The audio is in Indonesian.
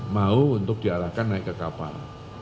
mau untuk diarahkan naik ke kapal